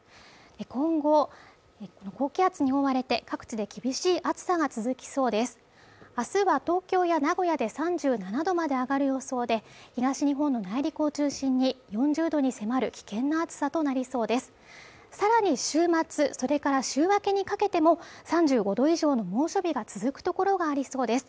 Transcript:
今後この高気圧に覆われて各地で厳しい暑さが続きそうです明日は東京や名古屋で３７度まで上がる予想で東日本の内陸を中心に４０度に迫る危険な暑さとなりそうですさらに週末それから週明けにかけても３５度以上の猛暑日が続く所がありそうです